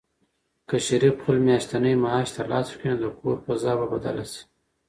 که شریف خپل میاشتنی معاش ترلاسه کړي، نو د کور فضا به بدله شي.